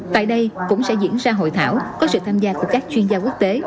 tại đây cũng sẽ diễn ra hội thảo có sự tham gia của các chuyên gia quốc tế